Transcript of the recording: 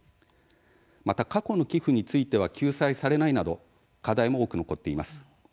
また、過去の寄付については救済されないなど課題も多く残っています。